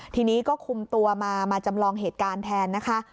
ทีนี้ก็คุมตัวมามาจำลองเหตุการณ์แทนนะคะ